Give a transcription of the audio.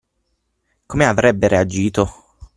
Come avrebbe reagito?